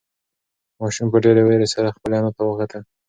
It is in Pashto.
ماشوم په ډېرې وېرې سره خپلې انا ته وکتل.